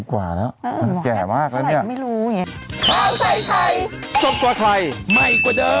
๕๐กว่าแล้วแก่มากแล้วนี่